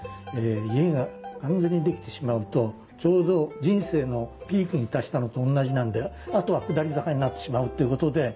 家が完全に出来てしまうとちょうど人生のピークに達したのとおんなじなんであとは下り坂になってしまうっていうことで。